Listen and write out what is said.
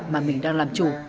mà mình đang làm chủ